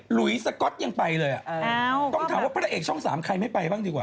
ลุยสก๊อตยังไปเลยต้องถามว่าพระเอกช่อง๓ใครไม่ไปบ้างดีกว่า